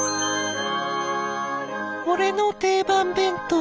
「俺の定番弁当」